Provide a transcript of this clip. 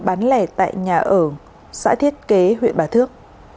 bán lẻ tại nhà ở xã thiết kế huyện bà thước